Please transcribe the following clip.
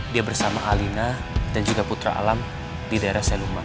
dia bersama alina dan juga putra alam di daerah seluman